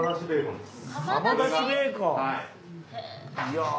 はい。